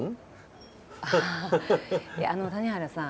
あの谷原さん。